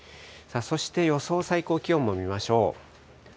そして、予想最高気温も見ましょう。